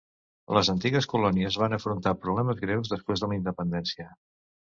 Les antigues colònies van afrontar problemes greus després de la independència.